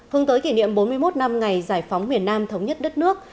hướng tới kỷ niệm bốn mươi một năm ngày giải phóng miền nam thống nhất đất nước